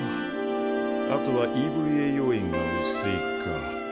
あとはＥＶＡ要員がうすいか。